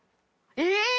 えっ！